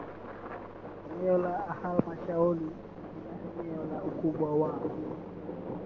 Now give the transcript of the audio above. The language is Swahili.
Eneo Halmashauri ina eneo la ukubwa wa